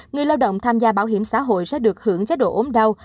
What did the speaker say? người lao động tham gia bảo hiểm xã hội sẽ được hưởng chế độ ốm đau